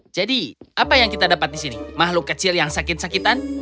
jadi apa yang kita dapat di sini mahluk kecil yang sakit sakitan